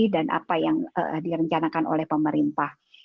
dan apa yang direncanakan oleh pemerintah